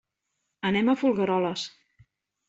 Anem a Folgueroles.